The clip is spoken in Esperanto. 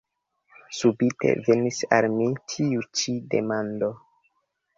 Subite venis al mi tiu ĉi demando.